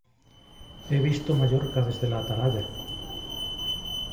¡He visto Mallorca desde la Atalaya!